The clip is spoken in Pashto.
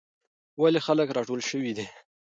ولې خلک راټول شوي دي؟